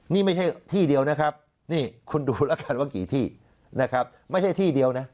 นี่ไม่ใช่ที่เดียวนะครับนี่คุณดูแล้วกันว่ากี่ที่นะครับไม่ใช่ที่เดียวนะ